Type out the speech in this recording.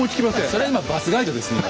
それは今バスガイドですね。